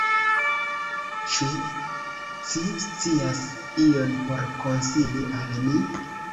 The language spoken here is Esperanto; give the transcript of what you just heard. Ĉu ci scias ion por konsili al ni?